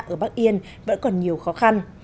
ở bắc yên vẫn còn nhiều khó khăn